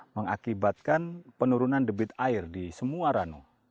mengakibatkan penurunan debit air di semua ranu